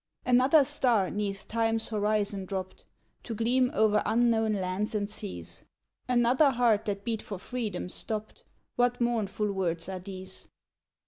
Another star 'neath Time's horizon dropped, To gleam o'er unknown lands and seas; Another heart that beat for freedom stopped, What mournful words are these!